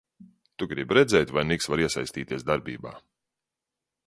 Tu gribi redzēt, vai Niks var iesaistīties darbībā?